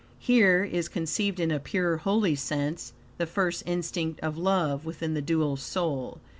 Here is conceived, in a pure, holy sense, the first instinct of love within the dual soul.